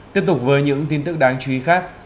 tiếp tục với những tin tức đáng chú ý khác